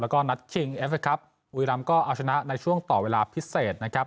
แล้วก็นัดชิงเอฟเคครับบุรีรำก็เอาชนะในช่วงต่อเวลาพิเศษนะครับ